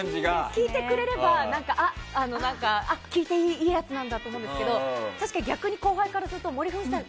聞いてくれれば聞いていいやつなんだと思うけど確かに逆に後輩からすると森富美さん